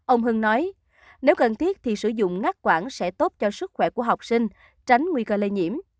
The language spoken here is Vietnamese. ông hưng nói nếu cần thiết thì sử dụng ngát quản sẽ tốt cho sức khỏe của học sinh tránh nguy cơ lây nhiễm